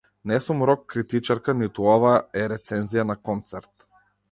Не сум рок критичарка, ниту ова е рецензија на концерт.